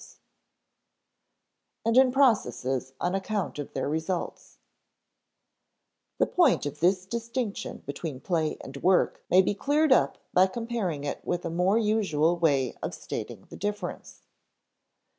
[Sidenote: and in processes on account of their results] The point of this distinction between play and work may be cleared up by comparing it with a more usual way of stating the difference.